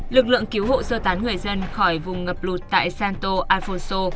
lực lượng cứu hộ sơ tán người dân khỏi vùng ngập lụt tại santo afoso